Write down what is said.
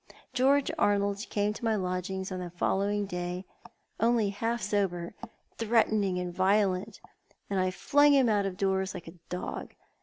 George Arnold came to ray lodgings on the following day— only half sober — threaten ing and violent, and I flung him out of doors like a dog.